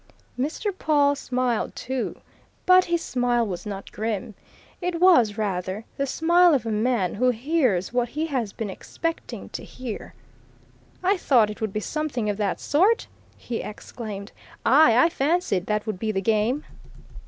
Mr. Pawle smiled too. But his smile was not grim it was, rather, the smile of a man who hears what he has been expecting to hear. "I thought it would be something of that sort!" he exclaimed. "Aye, I fancied that would be the game!"